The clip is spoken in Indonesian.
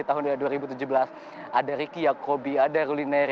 yang terakhir adalah yang terakhir